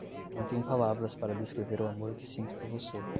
Não tenho palavras para descrever o amor que sinto por você